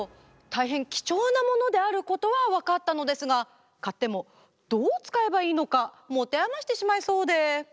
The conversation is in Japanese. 大変貴重なものであることは分かったのですが買ってもどう使えばいいのか持て余してしまいそうで。